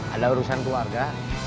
ada urusan keluarga